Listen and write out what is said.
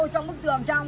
trong bức tường trong